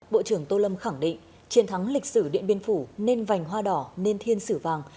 bộ trưởng tô lâm khẳng định chiến thắng lịch sử điện biên phủ nên vành hoa đỏ nên thiên sử vàng